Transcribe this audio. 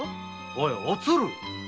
おいおつる！